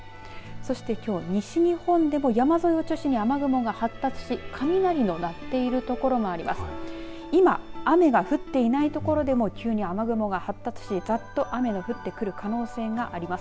そしてきょう西日本でも山沿いを中心に雨雲が発達し雷の鳴っている所があります。